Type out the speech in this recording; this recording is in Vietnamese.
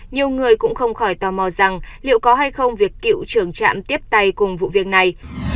nhiều người cũng không khỏi tò mò rằng liệu có hay không việc cựu trưởng trạm tiếp tay cùng vụ việc này